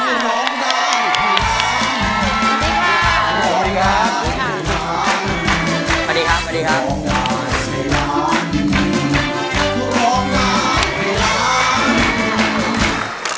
สวัสดีครับ